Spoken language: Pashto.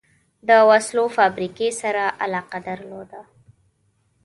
د وسلو فابریکې سره علاقه درلوده.